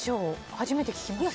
初めて聞きました。